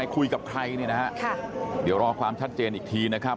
คุยกับใครเนี่ยนะฮะเดี๋ยวรอความชัดเจนอีกทีนะครับ